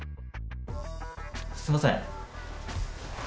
すみません。